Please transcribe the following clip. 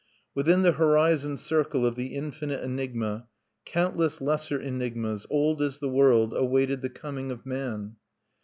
Within the horizon circle of the infinite enigma, countless lesser enigmas, old as the world, awaited the coming of man.